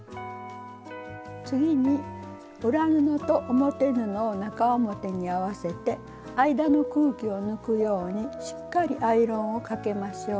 次に裏布と表布を中表に合わせて間の空気を抜くようにしっかりアイロンをかけましょう。